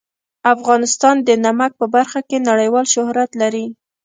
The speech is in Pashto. افغانستان د نمک په برخه کې نړیوال شهرت لري.